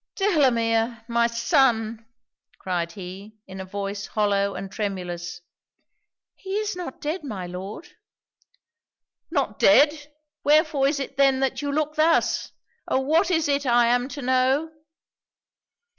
'Delamere! my son!' cried he, in a voice hollow and tremulous. 'He is not dead, my Lord.' 'Not dead! wherefore is it then that you look thus? Oh! what is it I am to know?'